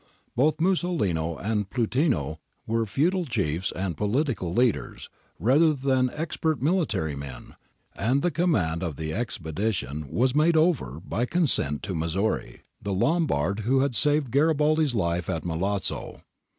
Both Musolino and Plutino were feudal chiefs and political leaders rather than expert mihtary men, and the command of the expedition was made over by consent to Missori, the Lombard who had saved Garibaldi's life at Milazzo.